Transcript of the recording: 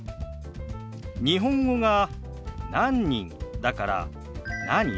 日本語が「何人」だから「何？」